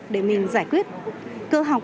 để mình giải quyết cơ học